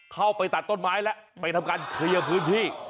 เข้าไปตัดต้นไม้แล้วไปทำการเคลียร์พื้นที่